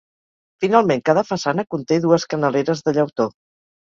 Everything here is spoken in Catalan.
Finalment, cada façana conté dues canaleres de llautó.